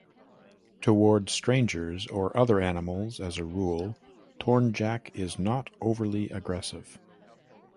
Towards strangers or other animals, as a rule, Tornjak is not overly aggressive.